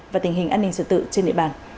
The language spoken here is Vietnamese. và tình hình an ninh sự tự trên địa bàn